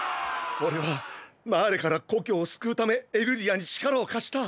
俺はマーレから故郷を救うためエルディアに力を貸した！！